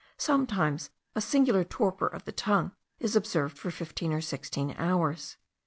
Sometimes a singular torpor of the tongue is observed for fifteen or sixteen hours.